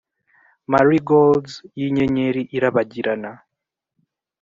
marigolds yinyenyeri irabagirana.